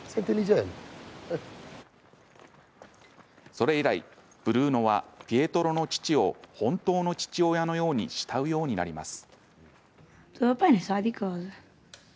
それ以来、ブルーノはピエトロの父を本当の父親のように慕うようになります。